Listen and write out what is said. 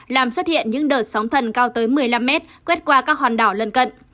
làm xuất hiện những đợt sóng thần cao tới một mươi năm mét quét qua các hòn đảo lân cận